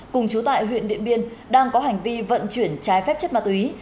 cùng chú tại huyện điện biên đang có hành vi vận chuyển trái phép chất ma túy